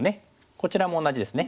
こちらも同じですね。